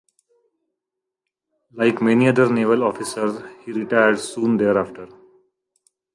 Like many other naval officers, he retired soon thereafter.